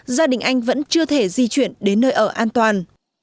gia đình anh vẫn chưa thể di chuyển đến nơi ở an toàn